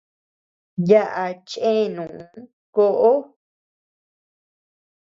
Yaʼa chenu koʼo.